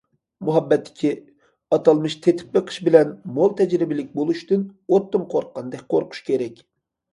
مۇھەببەتتىكى ئاتالمىش« تېتىپ بېقىش» بىلەن« مول تەجرىبىلىك» بولۇشتىن ئوتتىن قورققاندەك قورقۇش كېرەك.